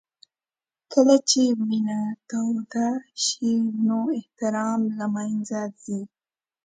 کله چې مینه توده شي نو احترام له منځه ځي.